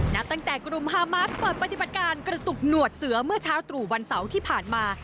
นับตั้งแต่กลุ่มฮามาสเปิดปฏิบัติการกระตุกหนวดเสือเมื่อเช้าตรู่วันเสาร์ที่ผ่านมา